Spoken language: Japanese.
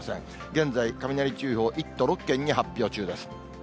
現在、雷注意報、１都６県に発表中です。